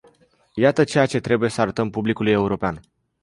Iată ceea ce trebuie să arătăm publicului european.